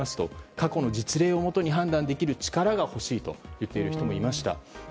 過去の実例をもとに判断できる力が欲しいと言っている人もいました。